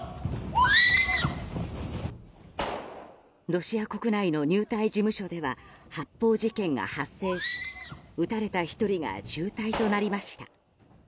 ロシア国内の入隊事務所では発砲事件が発生し撃たれた１人が重体となりました。